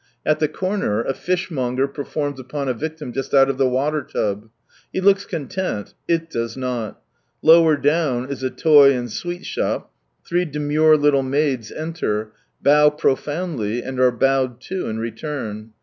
At the corner a fishmonger performs upon a victim just out of the water tub. He looks content, // does not. Lower down is a toy and sweet shop ; three demure little maids enter, bow profoundly, and are bowed to, in return.